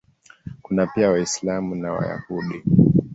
Kuna pia Waislamu na Wayahudi.